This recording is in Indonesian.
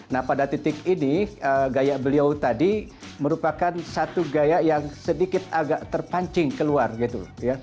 nah pada titik ini gaya beliau tadi merupakan satu gaya yang sedikit agak terpancing keluar gitu